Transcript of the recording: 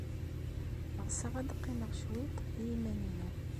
Ɣseɣ ad qqimeɣ cwiṭ i yiman-inu.